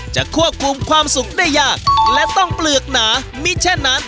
จะควบคุมความสุขได้ยากและต้องเปลือกหนามิเช่นนั้น